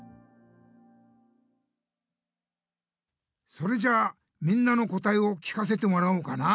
それじゃあみんなの答えを聞かせてもらおうかな。